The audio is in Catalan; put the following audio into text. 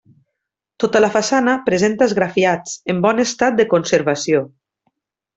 Tota la façana presenta esgrafiats en bon estat de conservació.